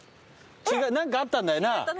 何かあったんだよな。